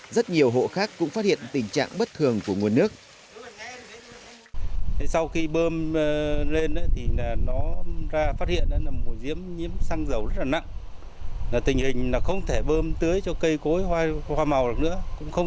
rất nhiều hộ khác cũng phát hiện tình trạng bất thường của nguồn nước